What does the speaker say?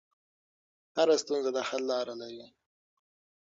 هر ستونزه د حل لار لري.